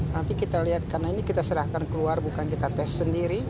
nanti kita lihat karena ini kita serahkan keluar bukan kita tes sendiri